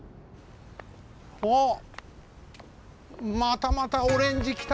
おっまたまたオレンジきた！